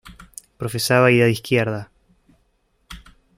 Profesaba ideas de izquierda.